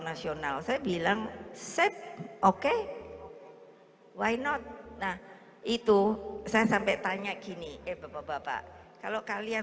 nasional saya bilang set oke why not nah itu saya sampai tanya gini eh bapak bapak kalau kalian